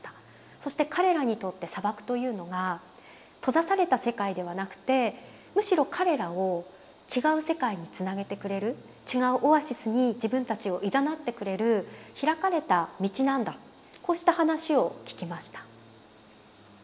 そして彼らにとって砂漠というのが閉ざされた世界ではなくてむしろ彼らを違う世界につなげてくれる違うオアシスに自分たちをいざなってくれる開かれた道なんだこうした話を聞きました。